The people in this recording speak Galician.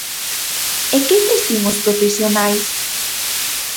¿E que lles din os profesionais?